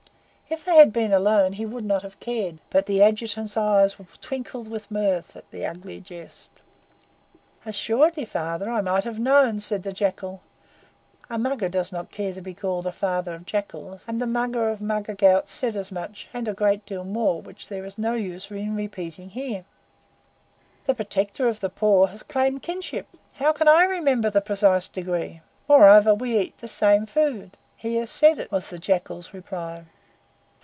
If they had been alone he would not have cared, but the Adjutant's eyes twinkled with mirth at the ugly jest. "Assuredly, Father, I might have known," said the Jackal. A mugger does not care to be called a father of jackals, and the Mugger of Mugger Ghaut said as much and a great deal more which there is no use in repeating here. "The Protector of the Poor has claimed kinship. How can I remember the precise degree? Moreover, we eat the same food. He has said it," was the Jackal's reply.